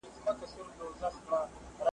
پر جلا لارو مزلونه یې وهلي .